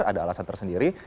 ada alasan tersendiri